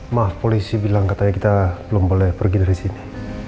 mah polisi bilang katanya kita belum boleh pergi dari sini